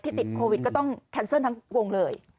ที่ติดโควิดก็ต้องแทนเซิร์นทั้งทั้งวงเลย